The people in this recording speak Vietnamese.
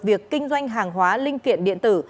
việc kinh doanh hàng hóa linh kiện điện tử